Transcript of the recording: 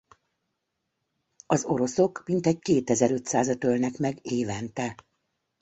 Az oroszok mintegy kétezer-ötszázat ölnek meg évente.